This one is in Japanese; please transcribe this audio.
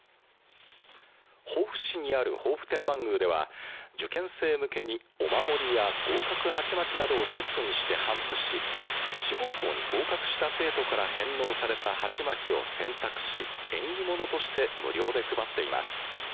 防府市にある防府天満宮では受験生向けにお守りや合格はちまきなどをセットにして頒布し志望校に合格した生徒から返納された鉢巻きを洗濯し縁起物として無料で配っています。